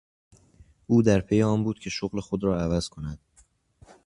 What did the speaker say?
او در پی آن بود که شغل خود را عوض کند.